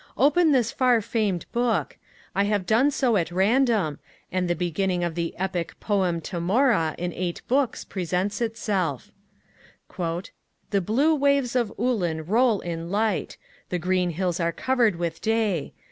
Open this far famed Book! I have done so at random, and the beginning of the Epic Poem Temora, in eight Books, presents itself. 'The blue waves of Ullin roll in light. The green hills are covered with day.